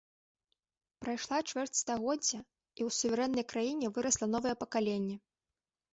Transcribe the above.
Прайшла чвэрць стагоддзя, і ў суверэннай краіне вырасла новае пакаленне.